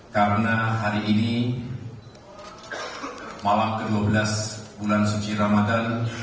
karena hari ini malam ke dua belas bulan suci ramadan